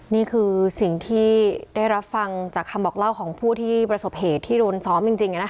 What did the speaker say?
นี่คือสิ่งที่ได้รับฟังจากคำบอกเล่าของผู้ที่ประสบเหตุที่โดนซ้อมจริง